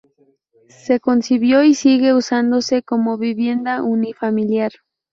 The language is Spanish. Se concibió y sigue usándose como vivienda unifamiliar.